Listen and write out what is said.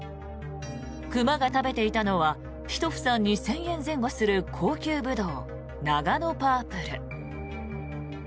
熊が食べていたのは１房２０００円前後する高級ブドウ、ナガノパープル。